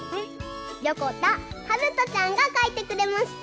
よこたはるとちゃんがかいてくれました。